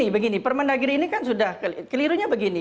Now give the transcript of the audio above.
begini permendagri ini kan sudah kelirunya begini